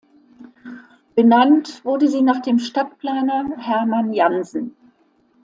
Benannt wurde sie nach dem Stadtplaner Hermann Jansen.